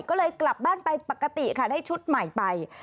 ก็เลยกลับบ้านไปปกติค่ะได้ชุดใหม่ไป